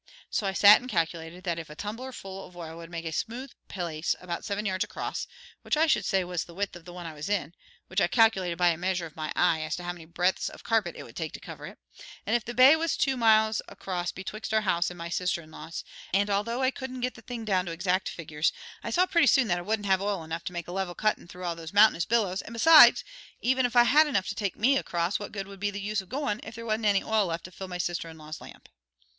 So I sat and calculated that if a tumblerful of oil would make a smooth place about seven yards across, which I should say was the width of the one I was in, which I calculated by a measure of my eye as to how many breadths of carpet it would take to cover it, and if the bay was two miles across betwixt our house and my sister in law's, and, although I couldn't get the thing down to exact figures, I saw pretty soon that I wouldn't have oil enough to make a level cuttin' through all those mountainous billows, and besides, even if I had enough to take me across, what would be the good of goin' if there wasn't any oil left to fill my sister in law's lamp?